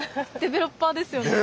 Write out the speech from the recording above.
ディベロッパーですよ。